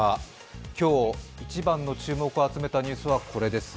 今日、一番の注目を集めたニュースはこれですね。